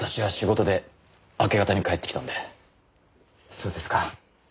そうですか。